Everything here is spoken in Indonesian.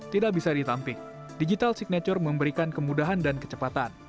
tidak bisa ditampik digital signature memberikan kemudahan dan kecepatan